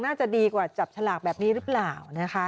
น่าจะดีกว่าจับฉลากแบบนี้หรือเปล่านะคะ